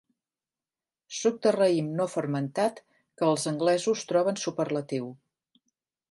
Suc de raïm no fermentat que els anglesos troben superlatiu.